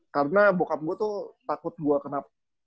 karena bokap gue tuh takut gue kena